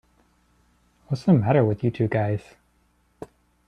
What's the matter with you two guys?